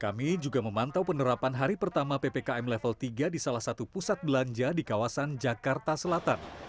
kami juga memantau penerapan hari pertama ppkm level tiga di salah satu pusat belanja di kawasan jakarta selatan